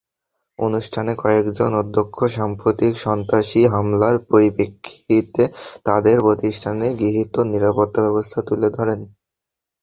অনুষ্ঠানে কয়েকজন অধ্যক্ষ সাম্প্রতিক সন্ত্রাসী হামলার পরিপ্রেক্ষিতে তাঁদের প্রতিষ্ঠানে গৃহীত নিরাপত্তাব্যবস্থা তুলে ধরেন।